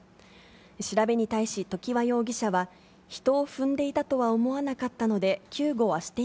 調べに対し、常盤容疑者は、人を踏んでいたとは思わなかったので、救護はして